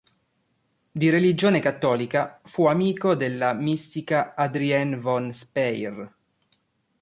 Di religione cattolica, fu amico della mistica Adrienne von Speyr.